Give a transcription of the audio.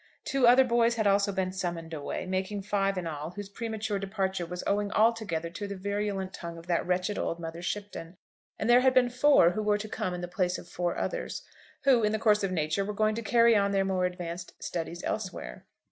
Two other boys had also been summoned away, making five in all, whose premature departure was owing altogether to the virulent tongue of that wretched old Mother Shipton. And there had been four who were to come in the place of four others, who, in the course of nature, were going to carry on their more advanced studies elsewhere.